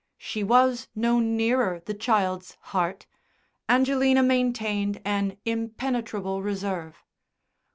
She was no nearer the child's heart.... Angelina maintained an impenetrable reserve.